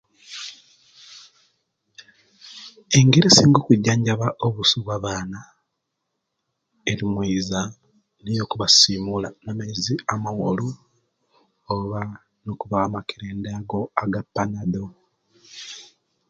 Engeri esinga okwijanjaba obusu bwabana eri mweiza nikwo okubasimula amaizi amawolu oba kubawa makerenda ago gapanadol